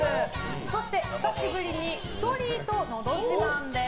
そして久しぶりにストリートのど自慢です。